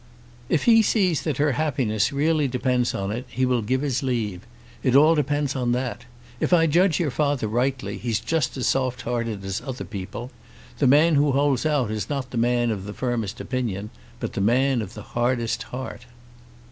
"If he sees that her happiness really depends on it he will give his leave. It all depends on that. If I judge your father rightly, he's just as soft hearted as other people. The man who holds out is not the man of the firmest opinion, but the man of the hardest heart."